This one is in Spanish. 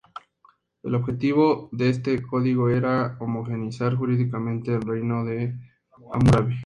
El objetivo de este código era homogeneizar jurídicamente el reino de Hammurabi.